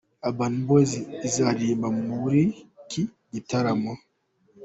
Urban boys izaririmba muri iki gitaramo.